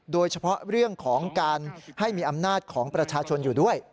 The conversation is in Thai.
โดยเฉพาะเรื่องของการให้มีอำนาจของประชาชนอยู่ด้วย